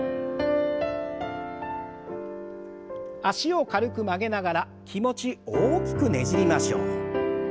脚を軽く曲げながら気持ち大きくねじりましょう。